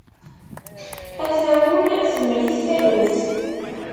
Ata wul temri-t taluft.